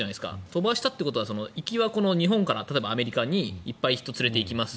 飛ばしたということは行きは、日本から例えばアメリカにいっぱい人を連れていきます。